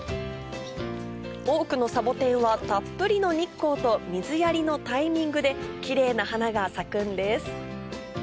多くのサボテンはたっぷりの日光と水やりのタイミングでキレイな花が咲くんです